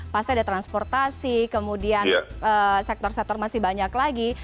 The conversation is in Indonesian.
pasti ada transportasi kemudian sektor sektor masih banyak lagi